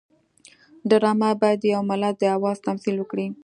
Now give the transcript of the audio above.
ډرامه باید د یو ملت د آواز تمثیل وکړي